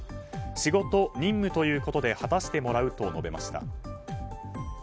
仕事、任務ということで果たしてもらうと述べました。